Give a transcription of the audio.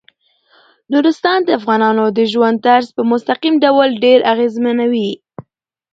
نورستان د افغانانو د ژوند طرز په مستقیم ډول ډیر اغېزمنوي.